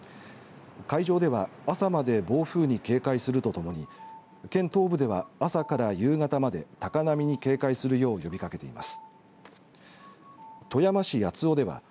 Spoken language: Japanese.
海上では朝まで暴風に警戒するとともに県東部では朝から夕方まで高波に警戒するよう呼びかけています。